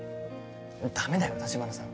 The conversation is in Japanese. ダメだよ城華さん。